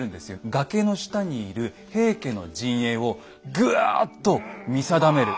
崖の下にいる平家の陣営をぐわっと見定める。